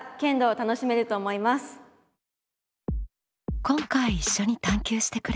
今回一緒に探究してくれるのは。